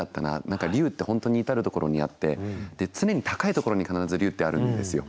何か龍って本当に至るところにあって常に高いところに必ず龍ってあるんですよ。